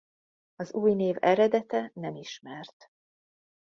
Az új név eredete nem ismert.